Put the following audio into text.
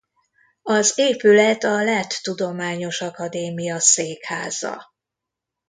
Az épület a Lett Tudományos Akadémia székháza.